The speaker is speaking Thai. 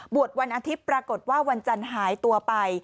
วันอาทิตย์ปรากฏว่าวันจันทร์หายตัวไป